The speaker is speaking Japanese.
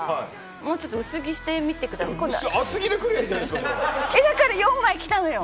もうちょっと薄着してみてくださいよ。